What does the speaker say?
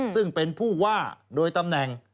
ซึ่งเป็นผู้ว่าโดยตำแหน่ง